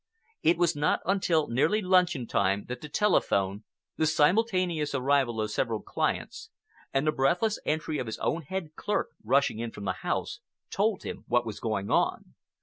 It was not until nearly luncheon time that the telephone, the simultaneous arrival of several clients, and the breathless entry of his own head clerk rushing in from the house, told him what was going on.